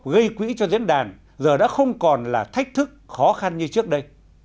gây quỹ cho diễn đàn giờ đã không còn là thách thức khó khăn như trước đây